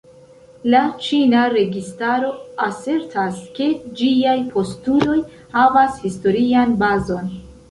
La ĉinia registaro asertas, ke ĝiaj postuloj havas historian bazon.